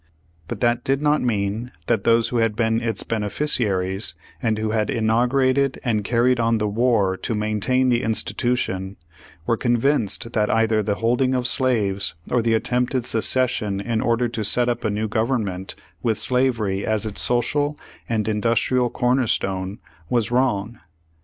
But that did not mean that those who had been its beneficiaries, and who had inaugurated and carried on the war to maintain the institution were convinced that either the holding of slaves, or the attempted secession in order to set up a new government with slavery as its social and industrial cornerstone was wrong.